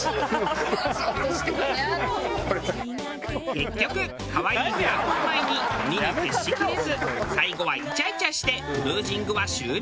結局可愛い平子を前に鬼に徹しきれず最後はイチャイチャしてクルージングは終了。